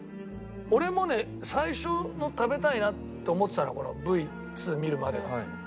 俺もね最初の食べたいなって思ってたのこのＶ２見るまでは。